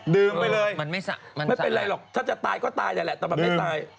ไปเลยไม่เป็นไรหรอกถ้าจะตายก็ตายได้แหละแต่มันไม่ตาย